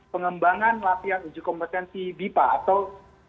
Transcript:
pengembangan latihan uji kompetensi bipa atau